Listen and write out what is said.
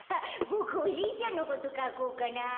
ボクおじいちゃんのことかこうかな。